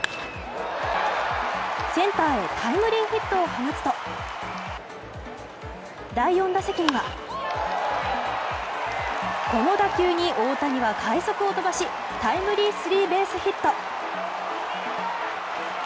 センターへタイムリーヒットを放つと第４打席にはこの打球に大谷は快足を飛ばしタイムリースリーベースヒット。